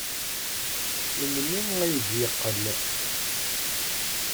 Melmi ay d-yeqqel?